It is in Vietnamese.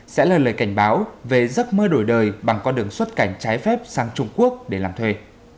sẽ là lời cảnh báo về giấc mơ đổi đời bằng con đường xuất cảnh trái phép sang trung quốc để làm thuê